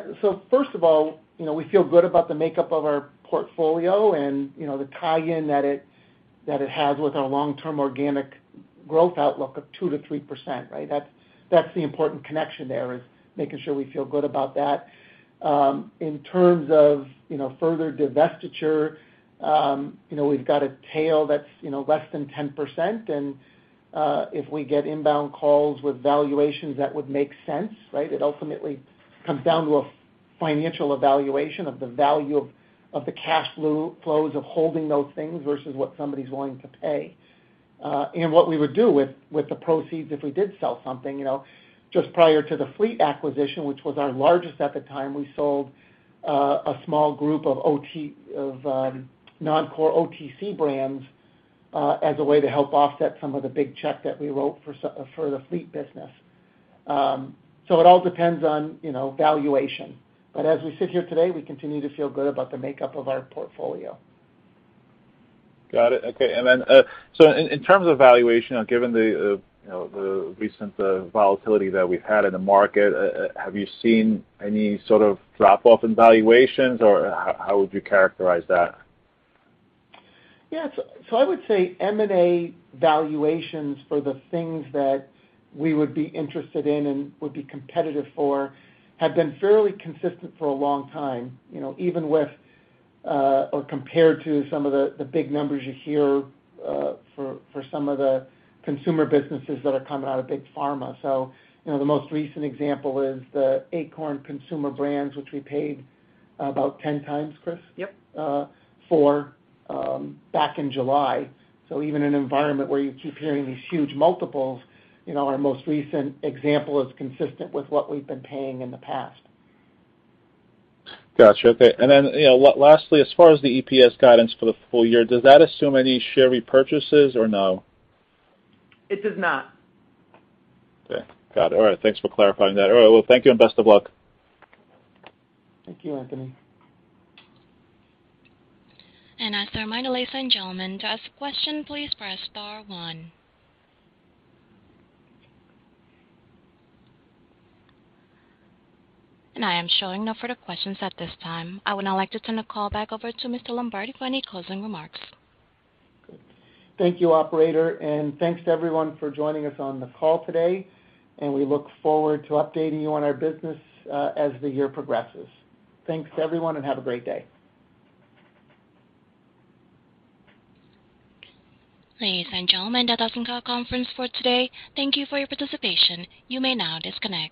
First of all, you know, we feel good about the makeup of our portfolio and, you know, the tie-in that it has with our long-term organic growth outlook of 2%-3%, right? That's the important connection there, is making sure we feel good about that. In terms of, you know, further divestiture, you know, we've got a tail that's, you know, less than 10%. If we get inbound calls with valuations, that would make sense, right? It ultimately comes down to a financial evaluation of the value of the cash flows of holding those things versus what somebody's willing to pay. What we would do with the proceeds if we did sell something. You know, just prior to the Fleet acquisition, which was our largest at the time, we sold a small group of non-core OTC brands as a way to help offset some of the big check that we wrote for the Fleet business. It all depends on, you know, valuation. As we sit here today, we continue to feel good about the makeup of our portfolio. Got it. Okay. In terms of valuation, given the, you know, the recent volatility that we've had in the market, have you seen any sort of drop-off in valuations, or how would you characterize that? Yeah. I would say M&A valuations for the things that we would be interested in and would be competitive for have been fairly consistent for a long time. You know, even with, or compared to some of the big numbers you hear, for some of the consumer businesses that are coming out of Big Pharma. You know, the most recent example is the Akorn consumer brands, which we paid about 10x, Christine? Yep. Back in July. Even in an environment where you keep hearing these huge multiples, you know, our most recent example is consistent with what we've been paying in the past. Gotcha. Okay. You know, lastly, as far as the EPS guidance for the full year, does that assume any share repurchases or no? It does not. Okay. Got it. All right. Thanks for clarifying that. All right. Well, thank you and best of luck. Thank you, Anthony. As a reminder, ladies and gentlemen, to ask a question, please press star one. I am showing no further questions at this time. I would now like to turn the call back over to Mr. Lombardi for any closing remarks. Thank you, operator. Thanks to everyone for joining us on the call today, and we look forward to updating you on our business, as the year progresses. Thanks, everyone, and have a great day. Ladies and gentlemen, that does end our conference for today. Thank you for your participation. You may now disconnect.